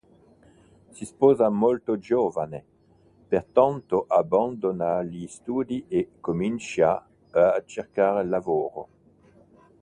Si sposa molto giovane, pertanto abbandona gli studi e comincia a cercare lavoro.